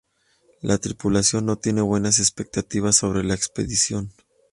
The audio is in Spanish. La tripulación no tiene buenas expectativas sobre la expedición.